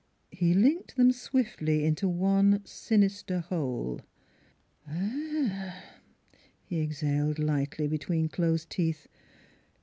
He linked them swiftly into one sinister whole. "Ah h h!" he exhaled lightly between closed teeth.